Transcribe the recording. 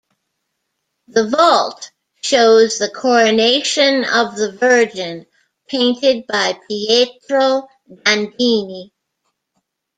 The vault shows the "Coronation of the Virgin" painted by Pietro Dandini.